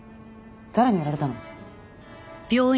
誰にやられたの？